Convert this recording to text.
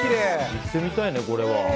行ってみたいね、これは。